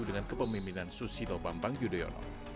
dengan kepemimpinan susi lopampang yudhoyono